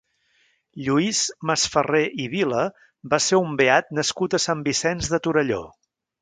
Lluis Masferrer i Vila va ser un beat nascut a Sant Vicenç de Torelló.